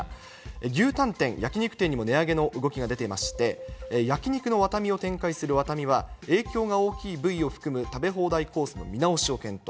牛タン店、焼き肉店にも値上げの動きが出ていまして、焼肉の和民を展開する和民は、影響が大きい部位を含む食べ放題コースの見直しを検討。